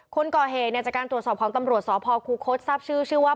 คนก่อเหตุเนี่ยจากการตรวจสอบของตำรวจสพคูคศทราบชื่อชื่อว่า